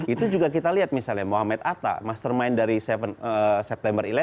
itu juga kita lihat misalnya muhammad atta mastermind dari tujuh september sebelas